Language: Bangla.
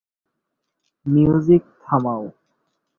মিউজিক থামাও।